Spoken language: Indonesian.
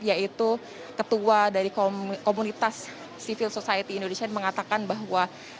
yaitu ketua dari komunitas civil society indonesia mengatakan bahwa